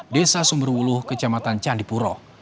desa sumber uluh kecamatan candipuro